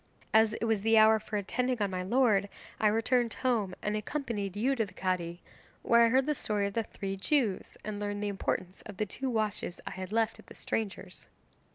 'As it was the hour for attending on my lord I returned home and accompanied you to the Cadi, where I heard the story of the three Jews and learned the importance of the two watches I had left at the stranger's.